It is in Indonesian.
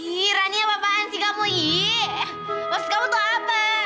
ih rani apa apaan sih kamu ih maksud kamu tuh apa